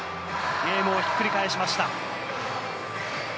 ゲームをひっくり返しました。